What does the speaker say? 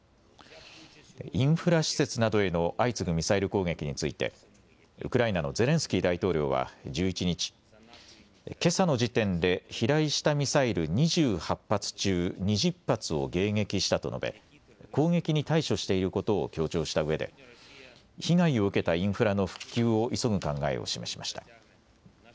インフラ施設などへの相次ぐミサイル攻撃について、ウクライナのゼレンスキー大統領は１１日、けさの時点で飛来したミサイル２８発中２０発を迎撃したと述べ、攻撃に対処していることを強調したうえで、被害を受けたインフラの復旧を急ぐ考えを示しました。